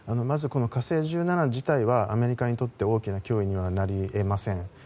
「火星１７」自体はアメリカにとって大きな脅威にはなり得ません。